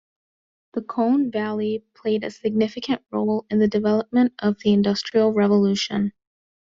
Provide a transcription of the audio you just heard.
The Colne Valley played a significant role in the development of the Industrial Revolution.